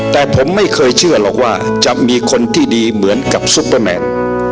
แต่ผมไม่เคยเชื่อหรอกว่าจะมีคนที่ดีเหมือนกับซุปเปอร์แมน